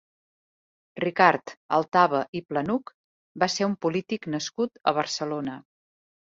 Ricard Altaba i Planuch va ser un polític nascut a Barcelona.